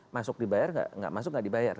masuk dibayar tidak masuk tidak dibayar